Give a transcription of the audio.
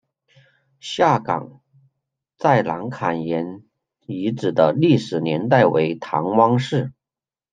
下岗再南坎沿遗址的历史年代为唐汪式。